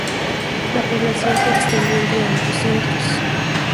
La población se extendía entre ambos centros.